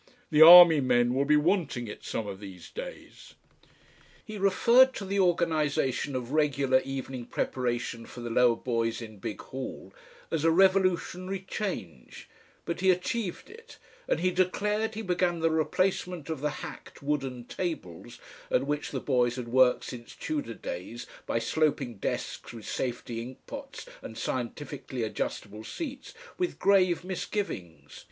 The army men will be wanting it some of these days." He referred to the organisation of regular evening preparation for the lower boys in Big Hall as a "revolutionary change," but he achieved it, and he declared he began the replacement of the hacked wooden tables, at which the boys had worked since Tudor days, by sloping desks with safety inkpots and scientifically adjustable seats, "with grave misgivings."